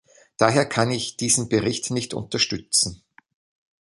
Daher kann ich diesen Bericht nicht unterstützen.